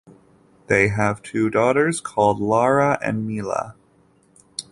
They have two daughters called Lara and Mila.